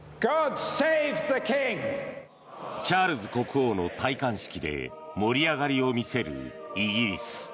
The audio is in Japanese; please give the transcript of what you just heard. チャールズ国王の戴冠式で盛り上がりを見せるイギリス。